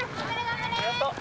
頑張れ！